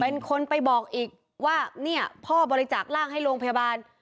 เป็นคนไปบอกอีกว่าเนี่ยพ่อบริจาคร่างให้โรงพยาบาล